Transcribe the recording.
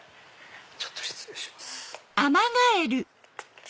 ちょっと失礼します。